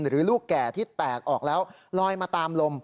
หรือลูกแก่ที่แตกออกแล้วลอยมาตามลม